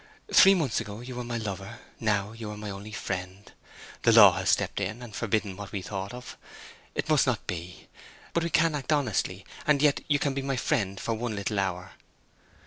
Three months ago you were my lover; now you are only my friend. The law has stepped in, and forbidden what we thought of. It must not be. But we can act honestly, and yet you can be my friend for one little hour?